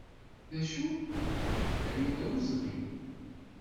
D acu? Aya d awezɣi!